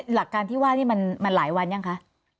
หลักการที่ว่านี่มันหลายวันยังคะ